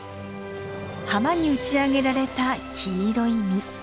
浜に打ち上げられた黄色い実。